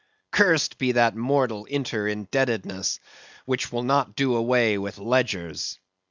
Cursed be that mortal inter indebtedness which will not do away with ledgers.